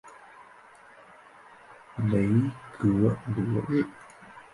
雷格罗日。